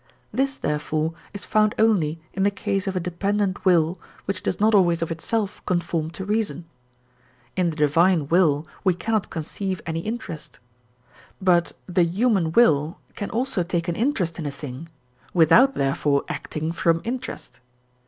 This therefore, is found only in the case of a dependent will which does not always of itself conform to reason; in the Divine will we cannot conceive any interest. But the human will can also take an interest in a thing without therefore acting from interest.